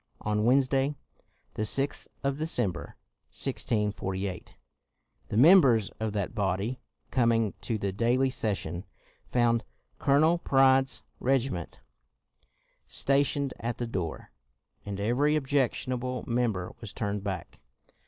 On Wednesday, the 6th of December, 1648, the members of that body, coming to the daily session, found Colonel Pride's regi ment stationed at the door, and every ob jectionable member was turned back.